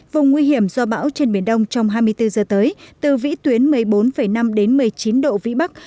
vùng nguy hiểm do bão trên biển đông trong hai mươi bốn giờ tới từ vĩ tuyến một mươi bốn năm đến một mươi chín độ vĩ bắc